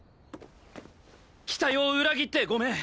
期待を裏切ってごめん！